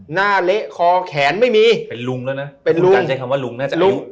หน้าเละคอแขนไม่มีลุงแล้วนะเป็นการใช้คำว่าลุงน่าจะลุง